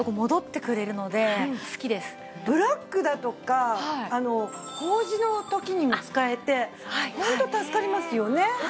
ブラックだとか法事の時にも使えてホント助かりますよね。